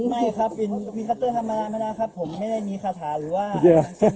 ไม่ครับเป็นพิธรัตเตอร์ธรรมดาครับผมไม่ได้มีคาถาหรือว่าอะไรแบบนี้ครับ